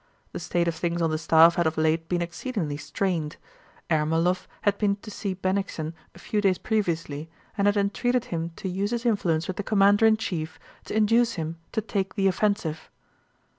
The state of things on the staff had of late been exceedingly strained. Ermólov had been to see Bennigsen a few days previously and had entreated him to use his influence with the commander in chief to induce him to take the offensive.